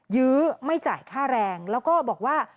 ยื้อไม่จ่ายค่าแรงแล้วก็บอกว่า